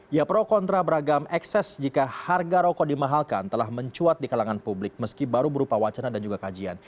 ya pro kontra beragam ekses jika harga rokok dimahalkan telah mencuat di kalangan publik meski baru berupa wacana dan juga kajian